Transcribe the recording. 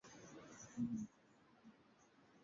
uchafuzi kabla ya majiji mengine ambayo